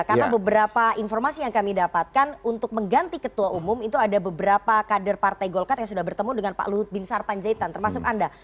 karena beberapa informasi yang kami dapatkan untuk mengganti ketua umum itu ada beberapa kader partai golkar yang sudah bertemu dengan pak luhut bin sarpanjaitan termasuk anda